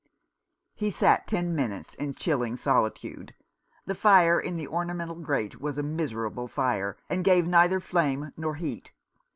He sat ten minutes in chilling solitude. The fire in the ornamental grate was a miserable fire, and gave neither flame nor heat.